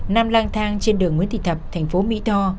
nam lang lang thang trên đường nguyễn thị thập thành phố mỹ tho